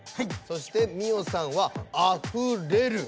そして美音さんは「あふれる」。